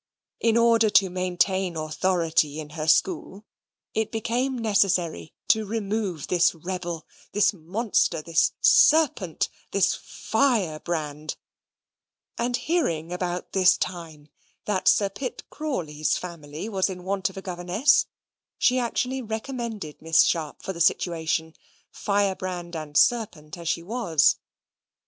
In order to maintain authority in her school, it became necessary to remove this rebel, this monster, this serpent, this firebrand; and hearing about this time that Sir Pitt Crawley's family was in want of a governess, she actually recommended Miss Sharp for the situation, firebrand and serpent as she was.